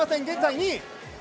現在、２位。